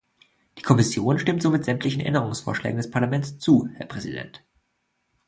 Die Kommission stimmt somit sämtlichen Änderungsvorschlägen des Parlaments zu, Herr Präsident.